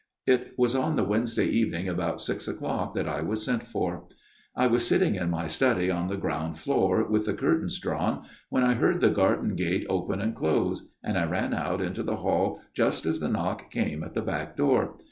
" It was on the Wednesday evening about six o'clock that I was sent for. " I was sitting in my study on the ground floor with the curtains drawn, when I heard the garden gate open and close, and I ran out into the hall, just as the knock came at the back door.